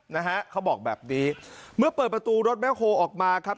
นะฮะเขาบอกแบบนี้เมื่อเปิดประตูรถแบคโฮออกมาครับ